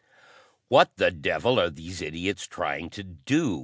"What the devil are these idiots trying to do?"